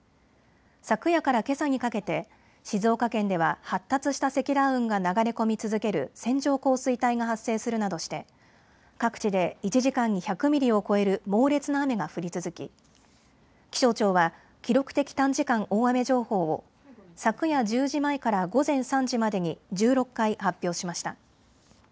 昨夜からけさにかけて静岡県では発達した積乱雲が流れ込み続ける線状降水帯が発生するなどして各地で１時間に１００ミリを超える猛烈な雨が降り続き気象庁は記録的短時間大雨情報を昨夜１０時前から午前３時までに１６回発表しました。